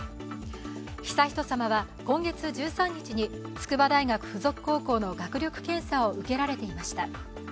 悠仁さまは今月１３日に筑波大附属高校の学力検査を受けられていました。